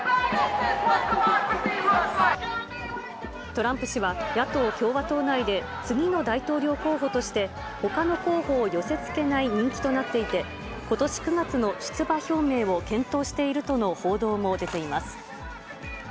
トランプ氏は、野党・共和党内で、次の大統領候補としてほかの候補を寄せ付けない人気となっていて、ことし９月の出馬表明を検討しているとの報道も出ています。